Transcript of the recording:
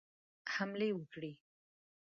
حملې وکړي.